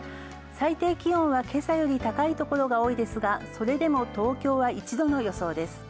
最低気温は、今朝より高いところが多いですがそれでも東京は１度の予想です。